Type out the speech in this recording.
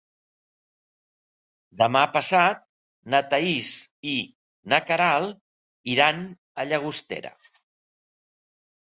Demà passat na Thaís i na Queralt iran a Llagostera.